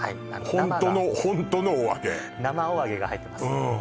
ホントのホントのお揚げ生お揚げが入ってます